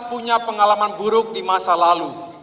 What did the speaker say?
punya pengalaman buruk di masa lalu